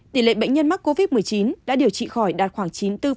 tỉ lệ bệnh nhân mắc covid một mươi chín đã điều trị khỏi đạt khoảng chín mươi bốn ba